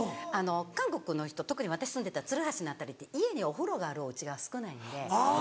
韓国の人特に私住んでた鶴橋の辺り家にお風呂があるおうちが少ないんで。